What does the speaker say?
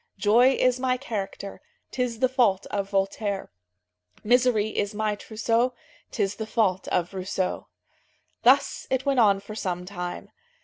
"Joy is my character, 'Tis the fault of Voltaire; Misery is my trousseau, 'Tis the fault of Rousseau." Thus it went on for some time.